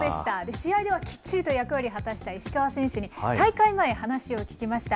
試合ではきっちりと役割を果たした石川選手に、大会前、話を聞きました。